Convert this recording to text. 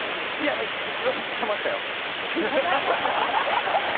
知ってましたよ。